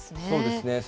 そうですね。